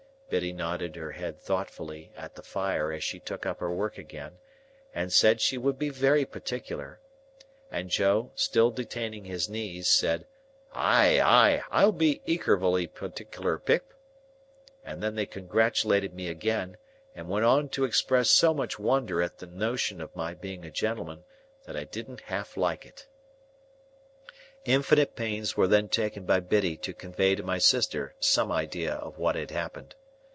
Biddy nodded her head thoughtfully at the fire as she took up her work again, and said she would be very particular; and Joe, still detaining his knees, said, "Ay, ay, I'll be ekervally partickler, Pip;" and then they congratulated me again, and went on to express so much wonder at the notion of my being a gentleman that I didn't half like it. Infinite pains were then taken by Biddy to convey to my sister some idea of what had happened.